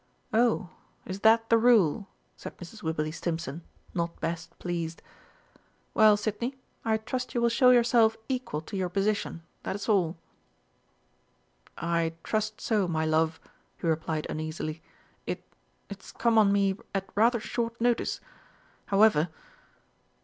"Oh, is that the rule?" said Mrs. Wibberley Stimpson, not best pleased. "Well, Sidney, I trust you will show yourself equal to your position, that is all." "I trust so, my love," he replied uneasily. "It it's come on me at rather short notice. However!"